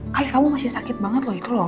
kayak kamu masih sakit banget loh itu loh